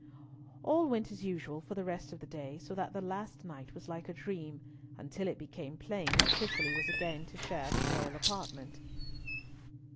All went as usual for the rest of the day, so that the last night was like a dream, until it became plain that Cicely was again to share the royal apartment.